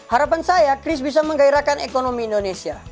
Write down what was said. harapan saya kriz bisa menggairakan ekonomi indonesia